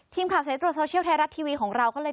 สายตรวจโซเชียลไทยรัฐทีวีของเราก็เลย